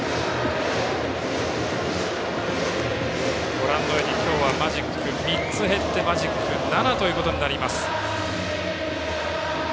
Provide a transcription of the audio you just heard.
ご覧のように、今日はマジック３つ減ってマジック７ということになります。